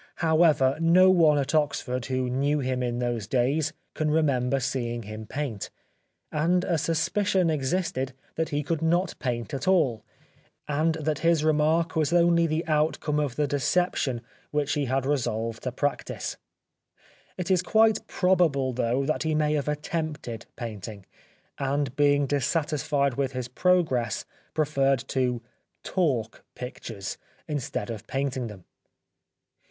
However, no one at Oxford, who knew him in those days, can remember seeing him paint, and a suspicion existed that he could not paint at all, and that his remark was only the outcome of the deception which he had resolved to prac 137 The Life of Oscar Wilde tise. It is quite probable, though, that he may have attempted painting, and being dissatisfied with his progress preferred to " talk pictures " instead of painting them.